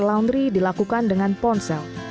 laundry dilakukan dengan ponsel